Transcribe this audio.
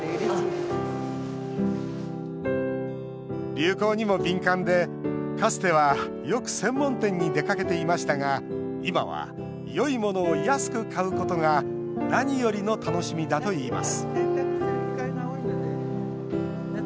流行にも敏感で、かつてはよく専門店に出かけていましたが今は、よいものを安く買うことが何よりの楽しみだといいます